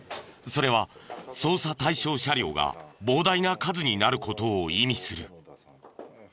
それは捜査対象車両が膨大な数になる事を意味する。